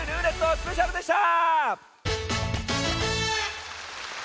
スペシャルでした！